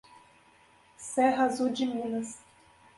Serra Azul de Minas